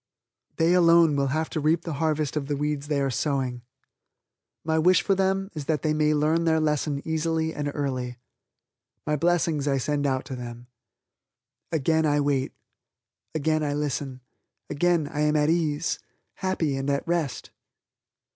They alone will have to reap the harvest of the weeds they are sowing. My wish for them is that they may learn their lesson easily and early. My blessings I send out to them. Again I wait. Again I listen. Again I am at ease, happy, and at rest.